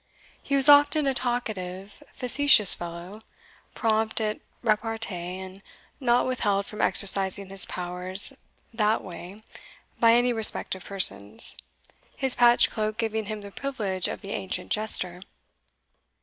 He was often a talkative, facetious fellow, prompt at repartee, and not withheld from exercising his powers that way by any respect of persons, his patched cloak giving him the privilege of the ancient jester.